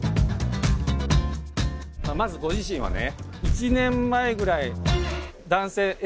まずご自身はね。